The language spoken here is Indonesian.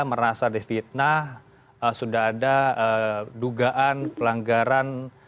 merasa difitnah sudah ada dugaan pelanggaran